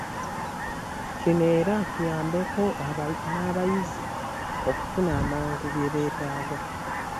Kino era kiyambeko n'abayizi okufuna amangu bye beetaaga.